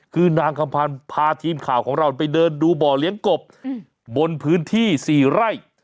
คือนางคำพันธ์พาทีมข่าวของเราไปเดินดูบ่อเลี้ยงกบบนพื้นที่๔ไร่